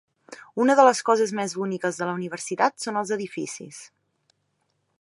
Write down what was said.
Una de les coses més boniques de la Universitat són els edificis.